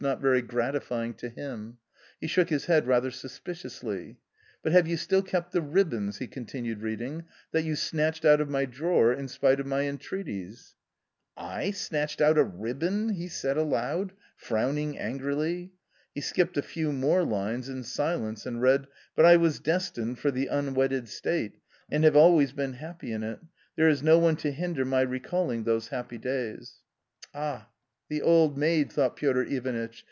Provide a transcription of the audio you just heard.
not very gratifying to him; he shook his head rather / suspiciously. " But have you still kept the ribbons [he continued read ing] that you snatched out of my drawer, in spite of my , entreaties ?"" I snatched out a ribbon !" he said aloud, frowning ' angrily. He skipped a few more lines in silence and , read :" But I was destined for the unwedded state, and have always been happy in it: there is no one to hinder my recalling those happy days." " Ah, the old maid !" thought Piotr Ivanitch.